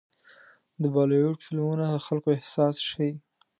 د بالیووډ فلمونه د خلکو احساس ښيي.